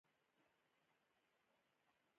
کرکه راوړه زهر راوړه که دا نه وي، نو د دې تګ ګران دی